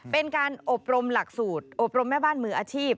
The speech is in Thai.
เป็นการอบรมหลักสูตรอบรมแม่บ้านมืออาชีพ